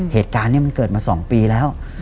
เหตุการณ์นี้มันเกิดมา๒ปีแล้ว